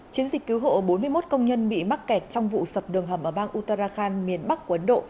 chiến dịch cứu hộ bốn mươi một công nhân bị mắc kẹt trong vụ sập đường hầm ở bang uttarakhand miền bắc của ấn độ